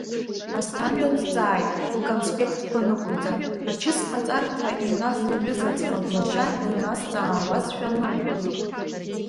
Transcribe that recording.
Асҭанда дҵааит, лконспектқәа нықәылҵан, ачысҟаҵарҭа иҩназ лҩыза ӡӷаб лашьа димазҵаауазшәа анылба.